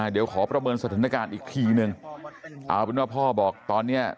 เดี๋ยวขอประเมินสถานการณ์อีกทีนึงเอาเป็นว่าพ่อบอกตอนเนี้ย